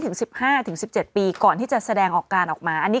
คุณผู้ชมขายังจริงท่านออกมาบอกว่า